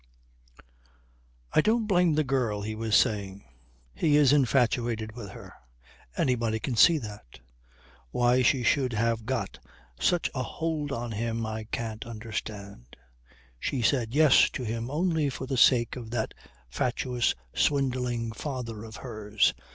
"I don't blame the girl," he was saying. "He is infatuated with her. Anybody can see that. Why she should have got such a hold on him I can't understand. She said "Yes" to him only for the sake of that fatuous, swindling father of hers.